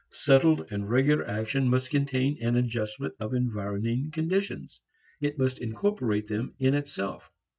Settled and regular action must contain an adjustment of environing conditions; it must incorporate them in itself.